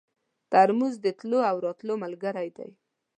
ترموز د تللو او راتلو ملګری دی.